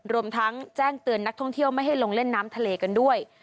รวมทั้งแจ้งเตือนนักท่องเที่ยวไม่ให้ลงเล่นน้ำทะเลกันด้วย